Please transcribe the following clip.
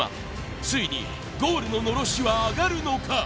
ついにゴールののろしは上がるのか？